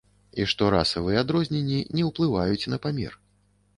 І што расавыя адрозненні не ўплываюць на памер.